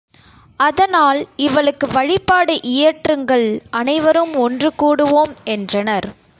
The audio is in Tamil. அதனால் இவளுக்கு வழிபாடு இயற்றுங்கள் அனைவரும் ஒன்று கூடுவோம் என்றனர்.